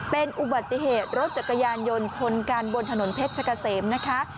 เป็นอุบัติเหตุรถจักรยานยนต์ชนกันบนถนนเพชรกะเสมนะคะ